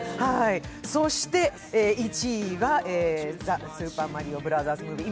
そして１位が「ザ・スーパーマリオブラザーズ・ムービー」。